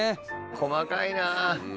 細かいな。